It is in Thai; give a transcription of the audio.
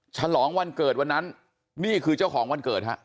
ฉลองวันเกิดวันนั้นนี่คือเจ้าของวันเกิดฮะ